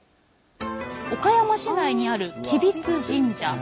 岡山市内にある吉備津神社。